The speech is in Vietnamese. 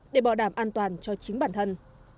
để bảo đảm an toàn cho chính bản thân